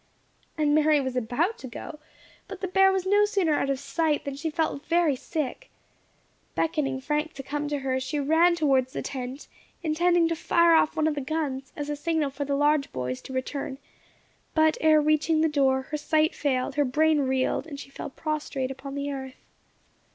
And Mary was about to go; but the bear was no sooner out of sight, than she felt very sick. Beckoning Frank to come to her, she ran towards the tent, intending to fire off one of the guns, as a signal for the large boys to return; but ere reaching the door her sight failed, her brain reeled, and she fell prostrate upon the earth.